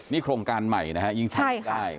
นี่โครงการใหม่นะฮะยิ่งใช้ได้